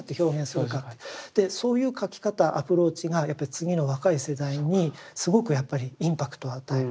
でそういう描き方アプローチがやっぱり次の若い世代にすごくやっぱりインパクトを与える。